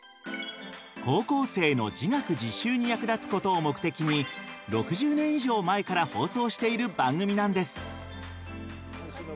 高校生の自学自習に役立つことを目的に６０年以上前から放送している番組なんです。